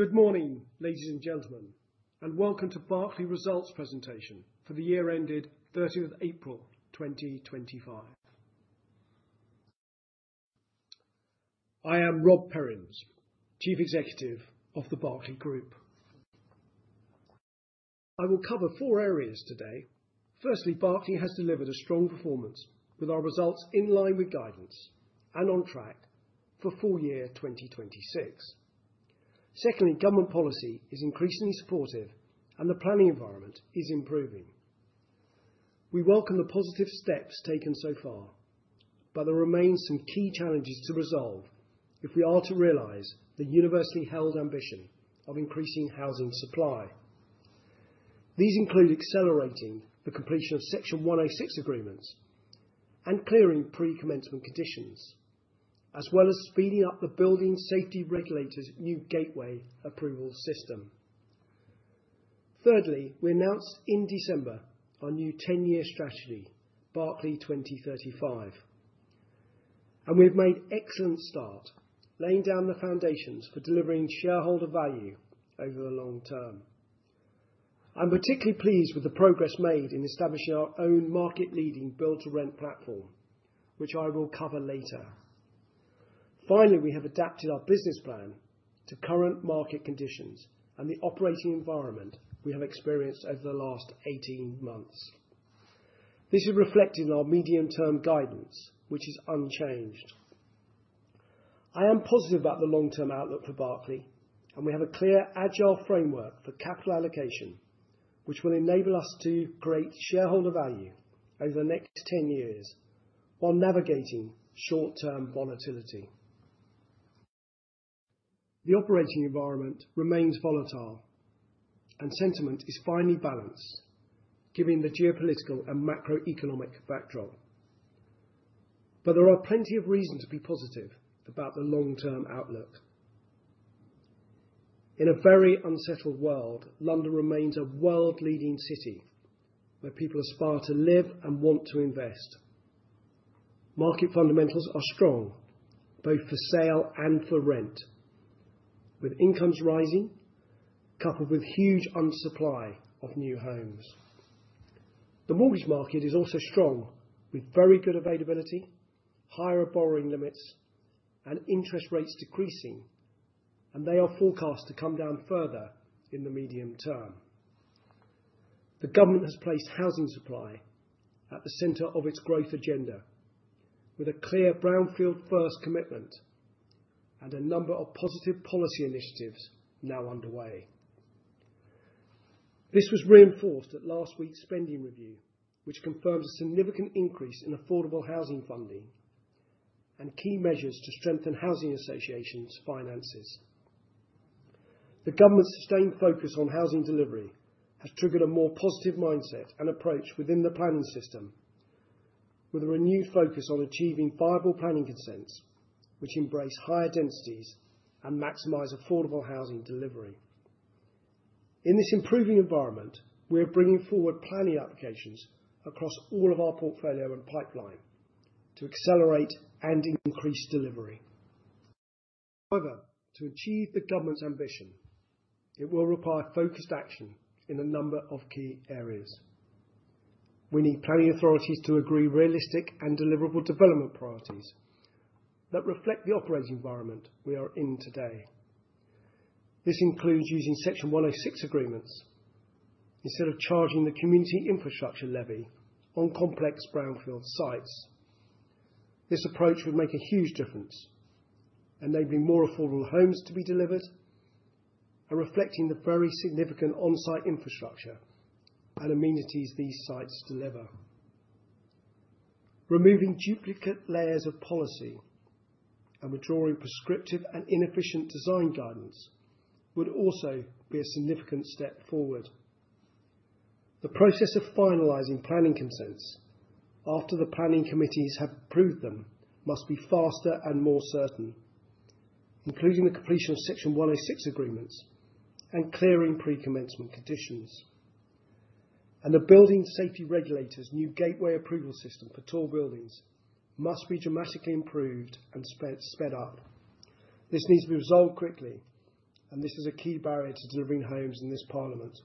Good morning, ladies and gentlemen, and welcome to Berkeley Results Presentation for the year ended 30 April 2025. I am Rob Perrins, Chief Executive of The Berkeley Group. I will cover four areas today. Firstly, Berkeley has delivered a strong performance, with our results in line with guidance and on track for full year 2026. Secondly, government policy is increasingly supportive, and the planning environment is improving. We welcome the positive steps taken so far, but there remain some key challenges to resolve if we are to realize the universally held ambition of increasing housing supply. These include accelerating the completion of Section 106 agreements and clearing pre-commencement conditions, as well as speeding up the Building Safety Regulator's new gateway approval system. Thirdly, we announced in December our new 10-year strategy, Berkeley 2035, and we've made excellent start, laying down the foundations for delivering shareholder value over the long term. I'm particularly pleased with the progress made in establishing our own market-leading Build-to-Rent platform, which I will cover later. Finally, we have adapted our business plan to current market conditions and the operating environment we have experienced over the last 18 months. This is reflected in our medium-term guidance, which is unchanged. I am positive about the long-term outlook for Berkeley, and we have a clear agile framework for capital allocation, which will enable us to create shareholder value over the next 10 years while navigating short-term volatility. The operating environment remains volatile, and sentiment is finely balanced, given the geopolitical and macroeconomic backdrop. There are plenty of reasons to be positive about the long-term outlook. In a very unsettled world, London remains a world-leading city where people aspire to live and want to invest. Market fundamentals are strong, both for sale and for rent, with incomes rising coupled with huge undersupply of new homes. The mortgage market is also strong, with very good availability, higher borrowing limits, and interest rates decreasing, and they are forecast to come down further in the medium term. The government has placed housing supply at the center of its growth agenda, with a clear brownfield-first commitment and a number of positive policy initiatives now underway. This was reinforced at last week's spending review, which confirmed a significant increase in affordable housing funding and key measures to strengthen housing associations' finances. The government's sustained focus on housing delivery has triggered a more positive mindset and approach within the planning system, with a renewed focus on achieving viable planning consents, which embrace higher densities and maximize affordable housing delivery. In this improving environment, we are bringing forward planning applications across all of our portfolio and pipeline to accelerate and increase delivery. However, to achieve the government's ambition, it will require focused action in a number of key areas. We need planning authorities to agree on realistic and deliverable development priorities that reflect the operating environment we are in today. This includes using Section 106 agreements instead of charging the Community Infrastructure Levy on complex brownfield sites. This approach would make a huge difference, enabling more affordable homes to be delivered and reflecting the very significant on-site infrastructure and amenities these sites deliver. Removing duplicate layers of policy and withdrawing prescriptive and inefficient design guidance would also be a significant step forward. The process of finalizing planning consents, after the planning committees have approved them, must be faster and more certain, including the completion of Section 106 agreements and clearing pre-commencement conditions. The Building Safety Regulator's new gateway approval system for tall buildings must be dramatically improved and sped up. This needs to be resolved quickly, and this is a key barrier to delivering homes in this Parliament.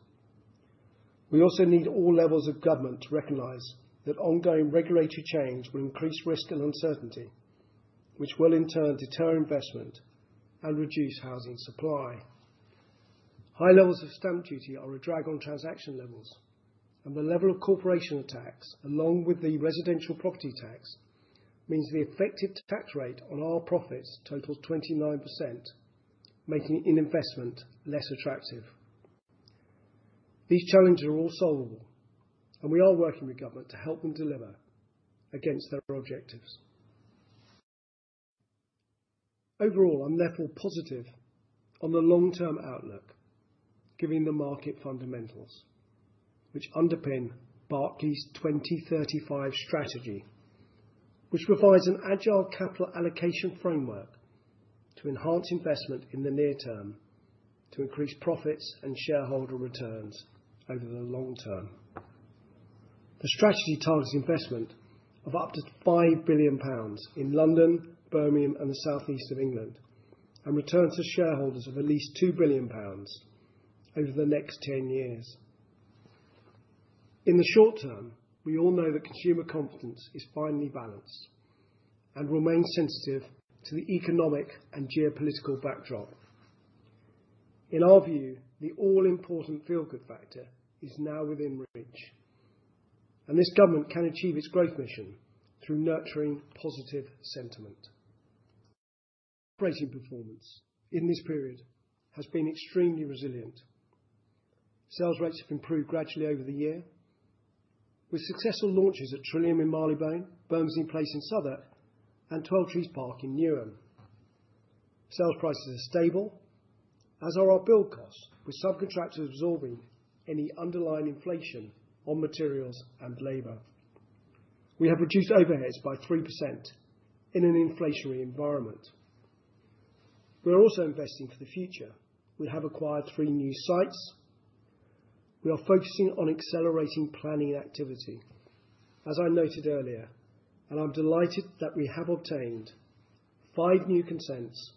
We also need all levels of government to recognize that ongoing regulatory change will increase risk and uncertainty, which will in turn deter investment and reduce housing supply. High levels of stamp duty are a drag on transaction levels, and the level of corporation tax, along with the residential property developer tax, means the effective tax rate on our profits totals 29%, making investment less attractive. These challenges are all solvable, and we are working with government to help them deliver against their objectives. Overall, I'm therefore positive on the long-term outlook, given the market fundamentals, which underpin Berkeley's 2035 strategy, which provides an agile capital allocation framework to enhance investment in the near term to increase profits and shareholder returns over the long term. The strategy targets investment of up to 5 billion pounds in London, Birmingham, and the Southeast of England, and returns to shareholders of at least 2 billion pounds over the next 10 years. In the short term, we all know that consumer confidence is finely balanced and remains sensitive to the economic and geopolitical backdrop. In our view, the all-important feel good factor is now within reach, and this government can achieve its growth mission through nurturing positive sentiment. Operating performance in this period has been extremely resilient. Sales rates have improved gradually over the year, with successful launches at Trillium in Marylebone, Bermondsey Place in Southwark, and 12 Trees Park in Newham. Sales prices are stable, as are our build costs, with subcontractors absorbing any underlying inflation on materials and labor. We have reduced overheads by 3% in an inflationary environment. We are also investing for the future. We have acquired three new sites. We are focusing on accelerating planning activity, as I noted earlier, and I'm delighted that we have obtained five new consents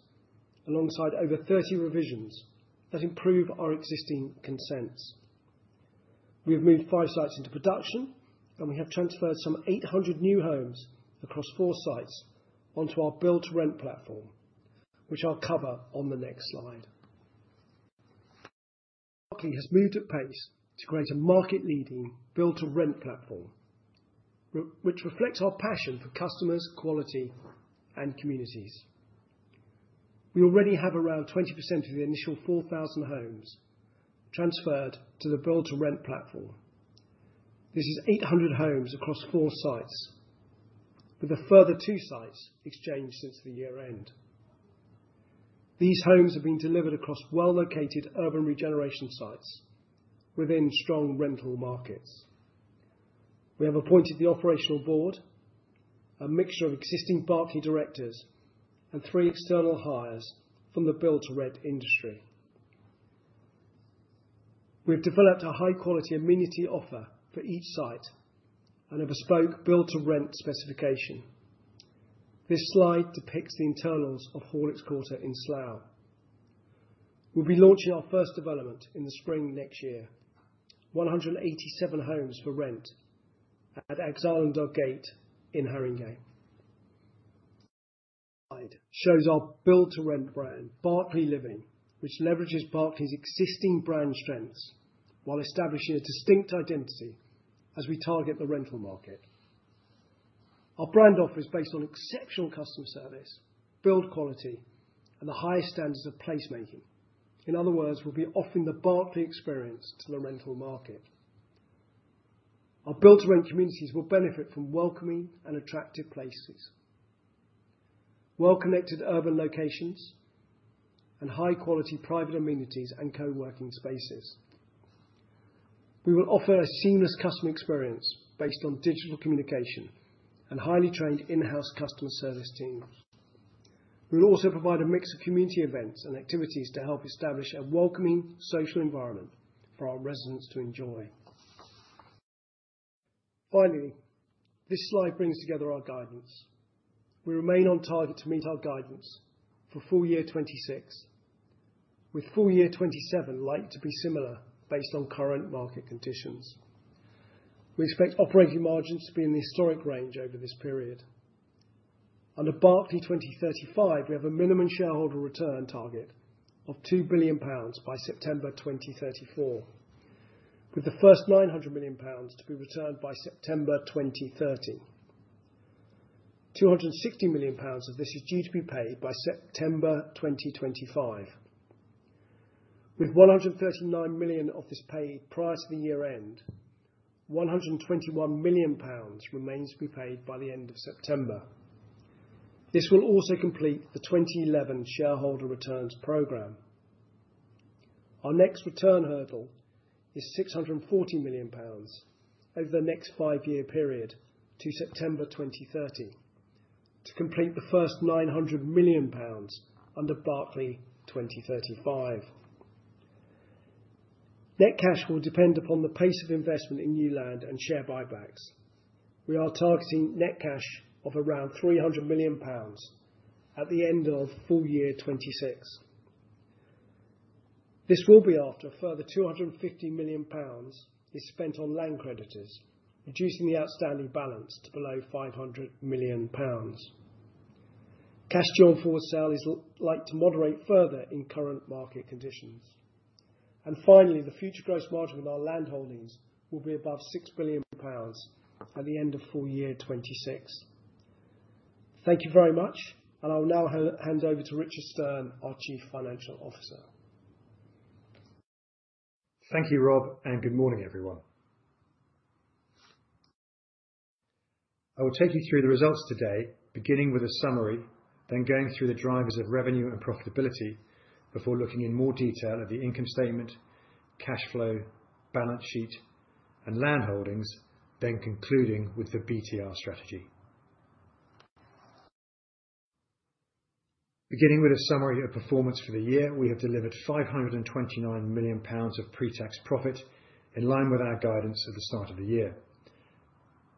alongside over 30 revisions that improve our existing consents. We have moved five sites into production, and we have transferred some 800 new homes across four sites onto our Build-to-Rent platform, which I'll cover on the next slide. Berkeley has moved at pace to create a market-leading Build-to-Rent platform, which reflects our passion for customers, quality, and communities. We already have around 20% of the initial 4,000 homes transferred to the Build-to-Rent platform. This is 800 homes across four sites, with a further two sites exchanged since the year end. These homes have been delivered across well-located urban regeneration sites within strong rental markets. We have appointed the operational board, a mixture of existing Berkeley directors, and three external hires from the Build-to-Rent industry. We have developed a high-quality amenity offer for each site and a bespoke Build-to-Rent specification. This slide depicts the internals of Horlicks Quarter in Slough. We'll be launching our first development in the spring next year: 187 homes for rent at Alexandra Gate Haringey. This slide shows our Build-to-Rent brand, Berkeley Living, which leverages Berkeley's existing brand strengths while establishing a distinct identity as we target the rental market. Our brand offer is based on exceptional customer service, build quality, and the highest standards of placemaking. In other words, we'll be offering the Berkeley experience to the rental market. Our Build-to-Rent communities will benefit from welcoming and attractive places, well-connected urban locations, and high-quality private amenities and co-working spaces. We will offer a seamless customer experience based on digital communication and highly trained in-house customer service teams. We'll also provide a mix of community events and activities to help establish a welcoming social environment for our residents to enjoy. Finally, this slide brings together our guidance. We remain on target to meet our guidance for full year 2026, with full year 2027 likely to be similar based on current market conditions. We expect operating margins to be in the historic range over this period. Under Berkeley 2035, we have a minimum shareholder return target of 2 billion pounds by September 2034, with the first 900 million pounds to be returned by September 2030. 260 million pounds of this is due to be paid by September 2025. With 139 million of this paid prior to the year end, 121 million pounds remains to be paid by the end of September. This will also complete the 2011 shareholder returns program. Our next return hurdle is 640 million pounds over the next five-year period to September 2030 to complete the first 900 million pounds under Berkeley 2035. Net cash will depend upon the pace of investment in new land and share buybacks. We are targeting net cash of around 300 million pounds at the end of full year 2026. This will be after a further 250 million pounds is spent on land creditors, reducing the outstanding balance to below 500 million pounds. Cash job for sale is likely to moderate further in current market conditions. Finally, the future gross margin in our land holdings will be above 6 billion pounds at the end of full year 2026. Thank you very much, and I will now hand over to Richard Stearn, our Chief Financial Officer. Thank you, Rob, and good morning, everyone. I will take you through the results today, beginning with a summary, then going through the drivers of revenue and profitability before looking in more detail at the income statement, cash flow, balance sheet, and land holdings, then concluding with the BTR strategy. Beginning with a summary of performance for the year, we have delivered 529 million pounds of pre-tax profit in line with our guidance at the start of the year.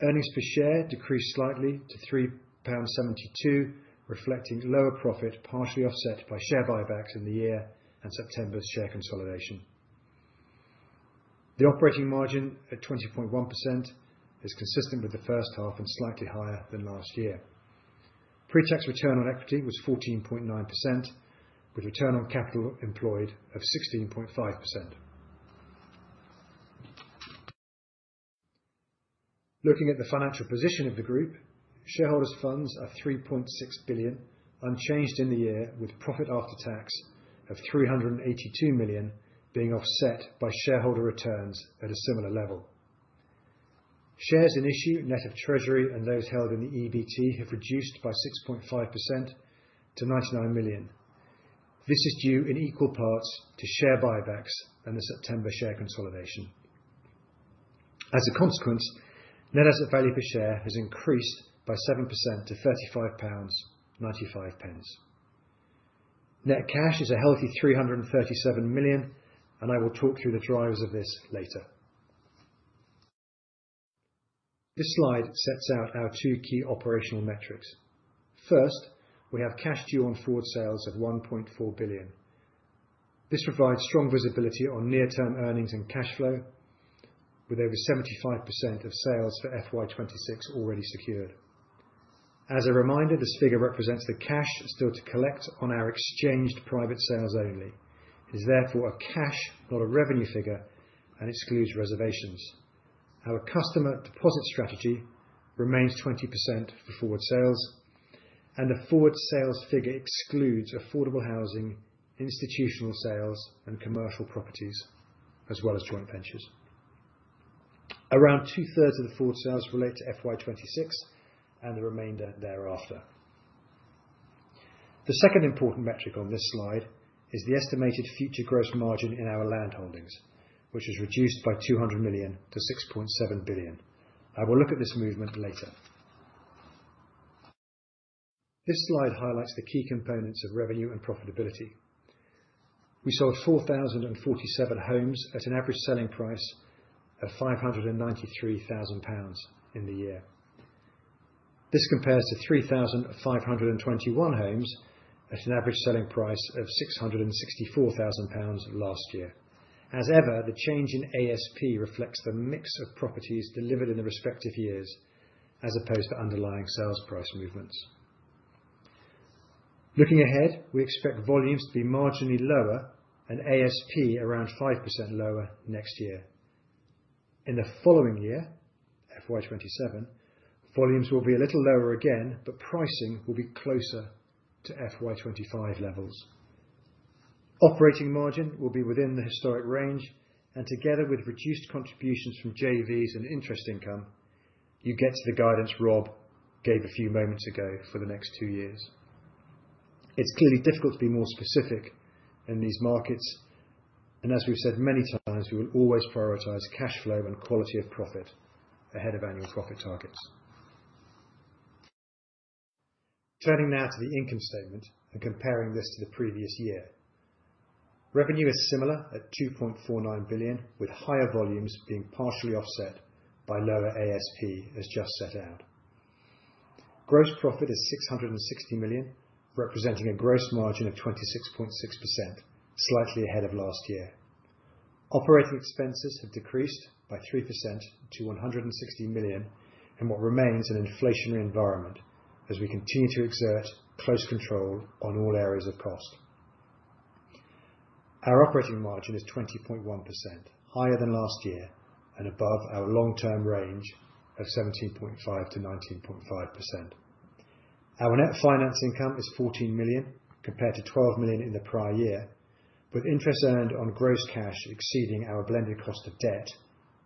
Earnings per share decreased slightly to 3.72 pound, reflecting lower profit partially offset by share buybacks in the year and September's share consolidation. The operating margin at 20.1% is consistent with the first half and slightly higher than last year. Pre-tax return on equity was 14.9%, with return on capital employed of 16.5%. Looking at the financial position of the group, shareholders' funds are 3.6 billion, unchanged in the year, with profit after tax of 382 million being offset by shareholder returns at a similar level. Shares in issue, net of treasury and those held in the EBT, have reduced by 6.5% to 99 million. This is due in equal parts to share buybacks and the September share consolidation. As a consequence, net asset value per share has increased by 7% to 35.95 pounds. Net cash is a healthy 337 million, and I will talk through the drivers of this later. This slide sets out our two key operational metrics. First, we have cash due on forward sales of 1.4 billion. This provides strong visibility on near-term earnings and cash flow, with over 75% of sales for FY 2026 already secured. As a reminder, this figure represents the cash still to collect on our exchanged private sales only. It is therefore a cash, not a revenue figure, and excludes reservations. Our customer deposit strategy remains 20% for forward sales, and the forward sales figure excludes affordable housing, institutional sales, and commercial properties, as well as joint ventures. Around 2/3 of the forward sales relate to FY 2026 and the remainder thereafter. The second important metric on this slide is the estimated future gross margin in our land holdings, which has reduced by 200 million to 6.7 billion. I will look at this movement later. This slide highlights the key components of revenue and profitability. We sold 4,047 homes at an average selling price of 593,000 pounds in the year. This compares to 3,521 homes at an average selling price of 664,000 pounds last year. As ever, the change in ASP reflects the mix of properties delivered in the respective years as opposed to underlying sales price movements. Looking ahead, we expect volumes to be marginally lower and ASP around 5% lower next year. In the following year, 2027, volumes will be a little lower again, but pricing will be closer to FY 2025 levels. Operating margin will be within the historic range, and together with reduced contributions from JVs and interest income, you get to the guidance Rob gave a few moments ago for the next two years. It's clearly difficult to be more specific in these markets, and as we've said many times, we will always prioritize cash flow and quality of profit ahead of annual profit targets. Turning now to the income statement and comparing this to the previous year. Revenue is similar at 2.49 billion, with higher volumes being partially offset by lower ASP, as just set out. Gross profit is 660 million, representing a gross margin of 26.6%, slightly ahead of last year. Operating expenses have decreased by 3% to 160 million in what remains an inflationary environment as we continue to exert close control on all areas of cost. Our operating margin is 20.1%, higher than last year and above our long-term range of 17.5%-19.5%. Our net finance income is 14 million, compared to 12 million in the prior year, with interest earned on gross cash exceeding our blended cost of debt,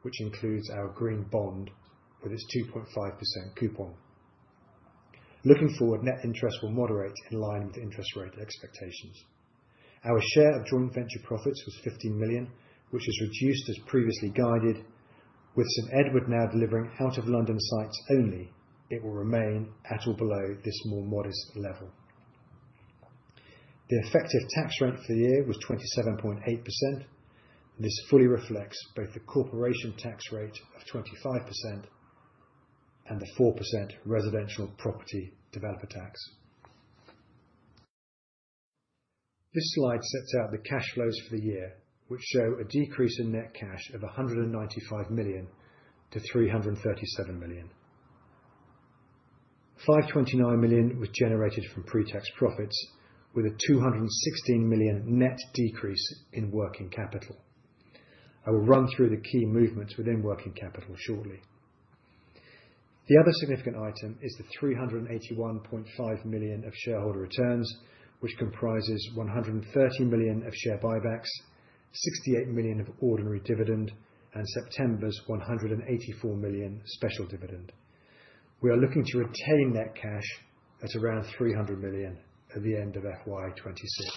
which includes our green bond with its 2.5% coupon. Looking forward, net interest will moderate in line with interest rate expectations. Our share of joint venture profits was 15 million, which has reduced as previously guided, with St. Edward now delivering out-of-London sites only. It will remain at or below this more modest level. The effective tax rate for the year was 27.8%, and this fully reflects both the corporation tax rate of 25% and the 4% residential property developer tax. This slide sets out the cash flows for the year, which show a decrease in net cash of 195 million to 337 million. 529 million was generated from pre-tax profits, with a 216 million net decrease in working capital. I will run through the key movements within working capital shortly. The other significant item is the 381.5 million of shareholder returns, which comprises 130 million of share buybacks, 68 million of ordinary dividend, and September's 184 million special dividend. We are looking to retain net cash at around 300 million at the end of FY 2026.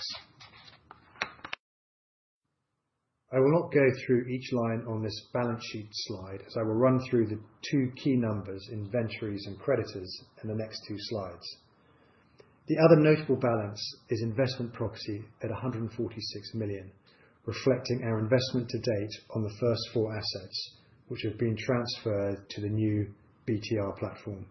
I will not go through each line on this balance sheet slide, as I will run through the two key numbers, inventories and creditors, in the next two slides. The other notable balance is investment proxy at 146 million, reflecting our investment to date on the first four assets, which have been transferred to the new BTR platform.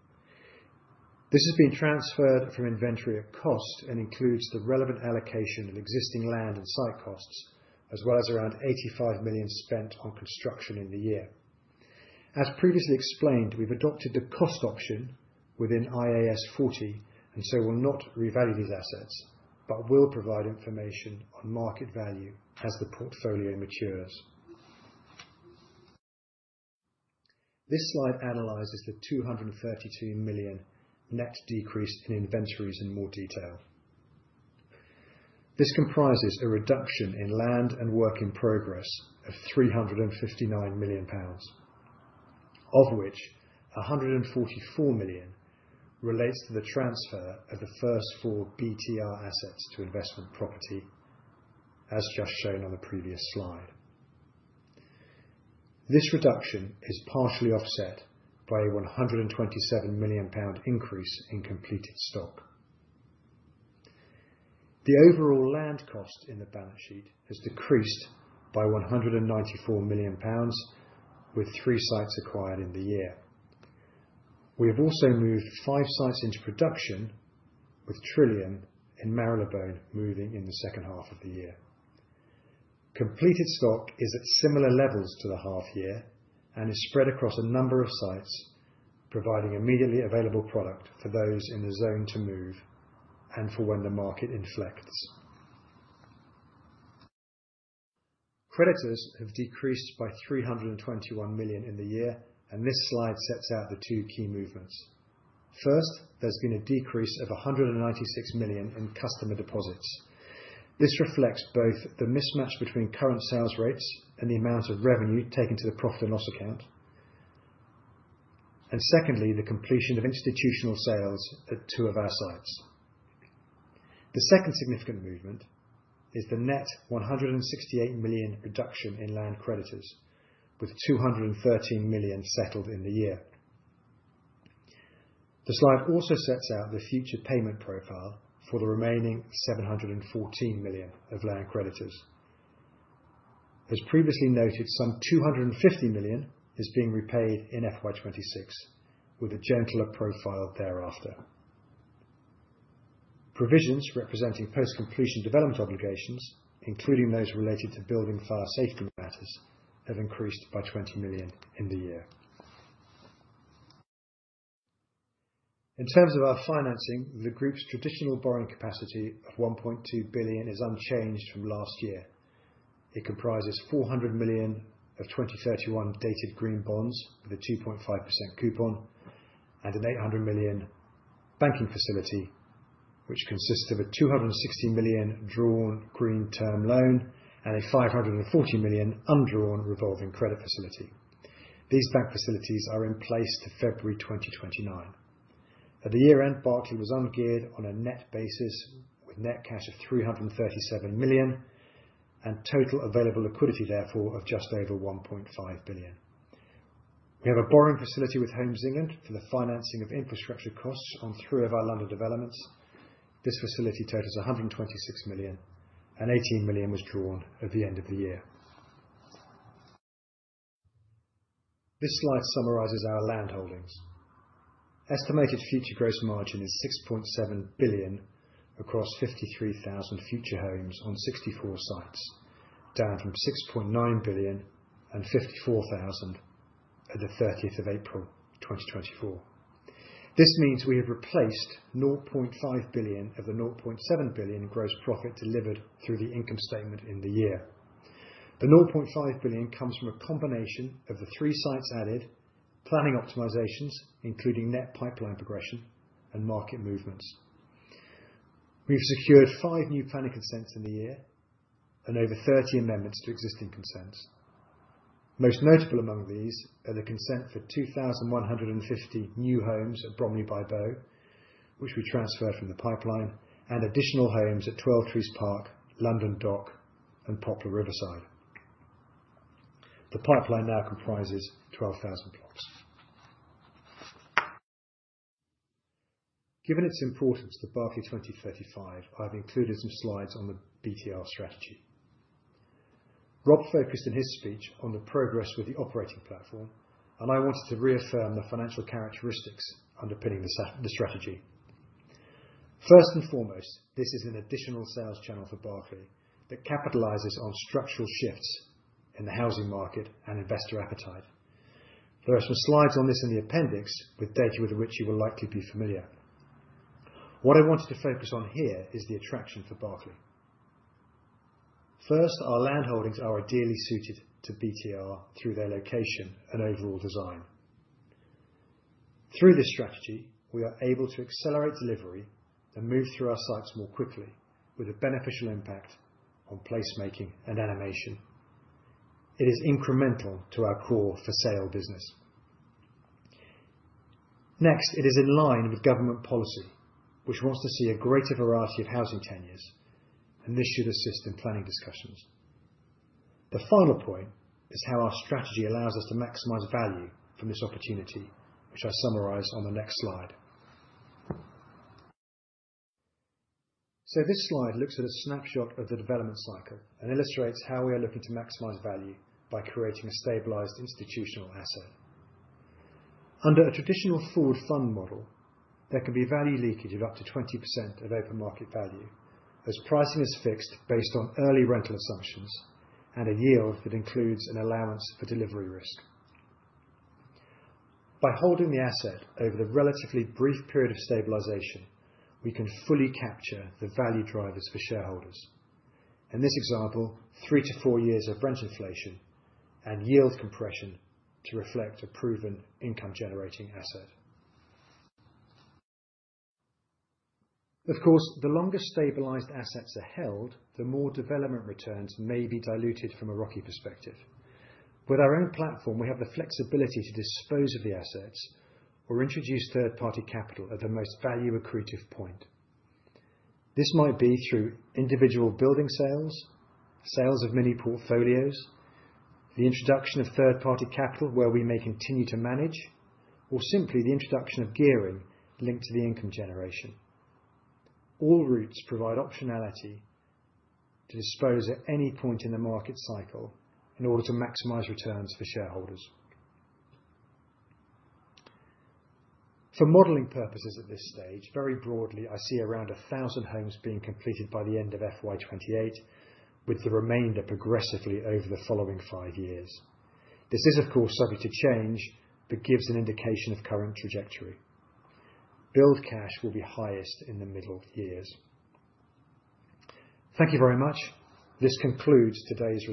This has been transferred from inventory at cost and includes the relevant allocation of existing land and site costs, as well as around 85 million spent on construction in the year. As previously explained, we have adopted the cost option within IAS 40 and so will not revalue these assets, but will provide information on market value as the portfolio matures. This slide analyzes the 232 million net decrease in inventories in more detail. This comprises a reduction in land and work in progress of 359 million pounds, of which 144 million relates to the transfer of the first four BTR assets to investment property, as just shown on the previous slide. This reduction is partially offset by a 127 million pound increase in completed stock. The overall land cost in the balance sheet has decreased by 194 million pounds, with three sites acquired in the year. We have also moved five sites into production, with Trillium in Marylebone moving in the second half of the year. Completed stock is at similar levels to the half year and is spread across a number of sites, providing immediately available product for those in the zone to move and for when the market inflects. Creditors have decreased by 321 million in the year, and this slide sets out the two key movements. First, there's been a decrease of 196 million in customer deposits. This reflects both the mismatch between current sales rates and the amount of revenue taken to the profit and loss account, and secondly, the completion of institutional sales at two of our sites. The second significant movement is the net 168 million reduction in land creditors, with 213 million settled in the year. The slide also sets out the future payment profile for the remaining 714 million of land creditors. As previously noted, some 250 million is being repaid in FY 26, with a gentler profile thereafter. Provisions representing post-completion development obligations, including those related to building fire safety matters, have increased by 20 million in the year. In terms of our financing, the group's traditional borrowing capacity of 1.2 billion is unchanged from last year. It comprises 400 million of 2031 dated green bonds with a 2.5% coupon and a 800 million banking facility, which consists of a 260 million drawn green term loan and a 540 million undrawn revolving credit facility. These bank facilities are in place to February 2029. At the year-end, Berkeley was ungeared on a net basis with net cash of 337 million and total available liquidity, therefore, of just over 1.5 billion. We have a borrowing facility with Homes England for the financing of infrastructure costs on three of our London developments. This facility totals 126 million, and 18 million was drawn at the end of the year. This slide summarizes our land holdings. Estimated future gross margin is 6.7 billion across 53,000 future homes on 64 sites, down from 6.9 billion and 54,000 at the 30th of April 2024. This means we have replaced 0.5 billion of the 0.7 billion gross profit delivered through the income statement in the year. The 0.5 billion comes from a combination of the three sites added, planning optimizations, including net pipeline progression and market movements. We've secured five new planning consents in the year and over 30 amendments to existing consents. Most notable among these are the consent for 2,150 new homes at Bromley by Bow, which we transferred from the pipeline, and additional homes at 12 Trees Park, London Dock, and Poplar Riverside. The pipeline now comprises 12,000 blocks. Given its importance to Berkeley 2035, I've included some slides on the BTR strategy. Rob focused in his speech on the progress with the operating platform, and I wanted to reaffirm the financial characteristics underpinning the strategy. First and foremost, this is an additional sales channel for Berkeley that capitalizes on structural shifts in the housing market and investor appetite. There are some slides on this in the appendix with data with which you will likely be familiar. What I wanted to focus on here is the attraction for Berkeley. First, our land holdings are ideally suited to BTR through their location and overall design. Through this strategy, we are able to accelerate delivery and move through our sites more quickly, with a beneficial impact on placemaking and animation. It is incremental to our core for sale business. Next, it is in line with government policy, which wants to see a greater variety of housing tenures, and this should assist in planning discussions. The final point is how our strategy allows us to maximize value from this opportunity, which I summarize on the next slide. This slide looks at a snapshot of the development cycle and illustrates how we are looking to maximize value by creating a stabilized institutional asset. Under a traditional forward fund model, there can be value leakage of up to 20% of open market value, as pricing is fixed based on early rental assumptions and a yield that includes an allowance for delivery risk. By holding the asset over the relatively brief period of stabilization, we can fully capture the value drivers for shareholders. In this example, three to four years of rent inflation and yield compression to reflect a proven income-generating asset. Of course, the longer stabilized assets are held, the more development returns may be diluted from a rocky perspective. With our own platform, we have the flexibility to dispose of the assets or introduce third-party capital at the most value-accretive point. This might be through individual building sales, sales of mini portfolios, the introduction of third-party capital where we may continue to manage, or simply the introduction of gearing linked to the income generation. All routes provide optionality to dispose at any point in the market cycle in order to maximize returns for shareholders. For modeling purposes at this stage, very broadly, I see around 1,000 homes being completed by the end of FY 2028, with the remainder progressively over the following five years. This is, of course, subject to change, but gives an indication of current trajectory. Build cash will be highest in the middle years. Thank you very much. This concludes today's.